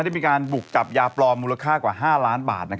ได้มีการบุกจับยาปลอมมูลค่ากว่า๕ล้านบาท